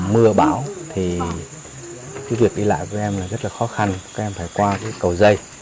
mưa bão thì cái việc đi lại của em là rất là khó khăn các em phải qua cái cầu dây